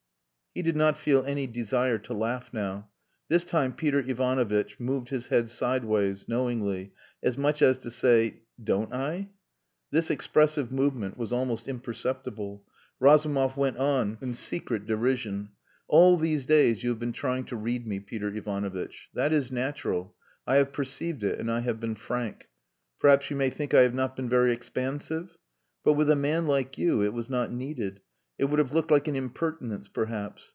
He did not feel any desire to laugh now. This time Peter Ivanovitch moved his head sideways, knowingly, as much as to say, "Don't I?" This expressive movement was almost imperceptible. Razumov went on in secret derision "All these days you have been trying to read me, Peter Ivanovitch. That is natural. I have perceived it and I have been frank. Perhaps you may think I have not been very expansive? But with a man like you it was not needed; it would have looked like an impertinence, perhaps.